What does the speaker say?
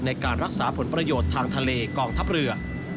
ในการรักษาผลประโยชน์ทางทะเลกองทัพเรือ